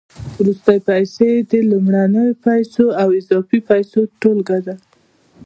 وروستۍ پیسې د لومړنیو پیسو او اضافي پیسو ټولګه ده